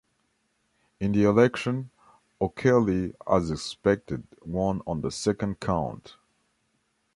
In the election, O'Kelly as expected won on the second count.